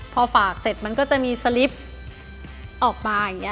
พอฝากเต็ดมันก็จะมีเซลปออกมา